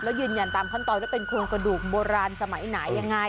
แล้วยืนยันตามขั้นตอนว่าเป็นโครงกระดูกโบราณสมัยไหนยังไง